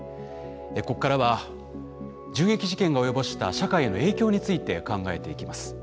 ここからは銃撃事件が及ぼした社会への影響について考えていきます。